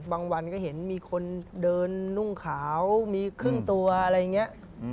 วันก็เห็นมีคนเดินนุ่งขาวมีครึ่งตัวอะไรอย่างนี้